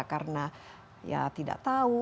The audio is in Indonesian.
karena ya tidak tahu